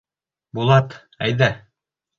Булат, әйҙә!